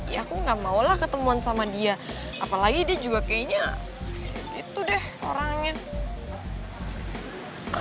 ya aku gak maulah ketemuan sama dia apalagi dia juga kayaknya itu deh orangnya